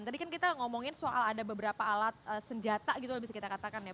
tadi kan kita ngomongin soal ada beberapa alat senjata gitu bisa kita katakan ya